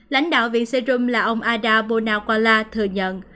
lãnh đạo viện serum là ông ada bonakwala thừa nhận